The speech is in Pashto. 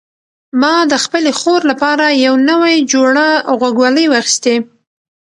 ما د خپلې خور لپاره یو نوی جوړه غوږوالۍ واخیستې.